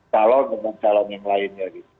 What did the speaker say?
calon dengan calon yang lainnya gitu